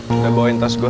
udah bawain tas gua